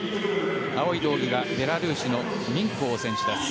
青い胴着がベラルーシのミンコウ選手です。